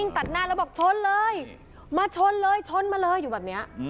ตัดหน้าแล้วบอกช้นเลยช้นไปเลยอยู่แบบนี้